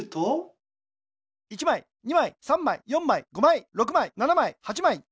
１まい２まい３まい４まい５まい６まい７まい８まい。